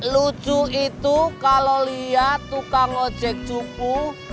lucu itu kalo liat tukang ojek cupu